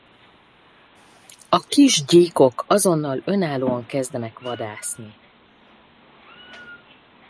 A kis gyíkok azonnal önállóan kezdenek vadászni.